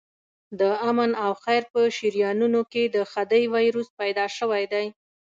د آمن او خیر په شریانونو کې د خدۍ وایروس پیدا شوی دی.